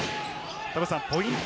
ポイント